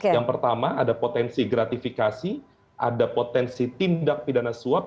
yang pertama ada potensi gratifikasi ada potensi tindak pidana suap